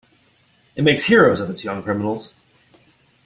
It makes heroes of its young criminals.